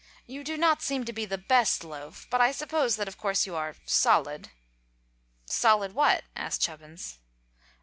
"You do not seem to be the best loaf, but I suppose that of course you are solid." "Solid what?" asked Chubbins.